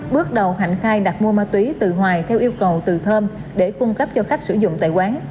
bước đầu hạnh khai đặt mua ma túy từ hoài theo yêu cầu từ thơm để cung cấp cho khách sử dụng tại quán